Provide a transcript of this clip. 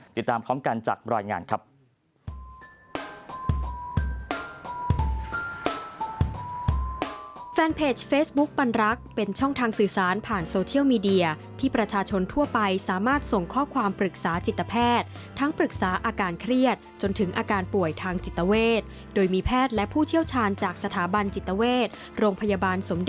ติดตามพร้อมกันจากรายงานครับ